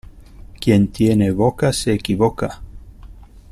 Quien tiene boca se equivoca.